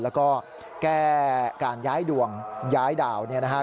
แล้วก็แก้การย้ายดวงย้ายดาวเนี่ยนะฮะ